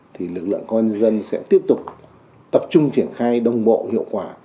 thì lực lượng công an nhân dân sẽ tiếp tục tập trung triển khai đồng bộ hiệu quả